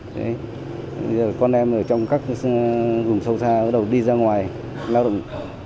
bây giờ là con em ở trong các vùng sâu xa ở đầu đi ra ngoài lao động